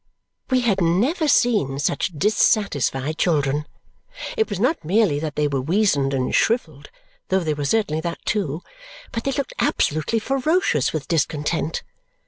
We had never seen such dissatisfied children. It was not merely that they were weazened and shrivelled though they were certainly that too but they looked absolutely ferocious with discontent.